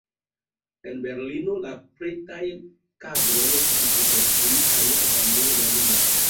En Berlino la pretaj kadroj estis konstruitaj en la murojn.